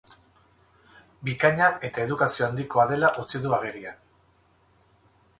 Bikaina eta edukazio handikoa dela utzi du agerian.